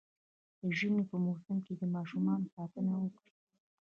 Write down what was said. د ژمي په موسم کي د ماشومانو ساتنه وکړئ